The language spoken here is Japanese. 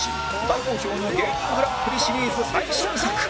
大好評の芸人グランプリシリーズ最新作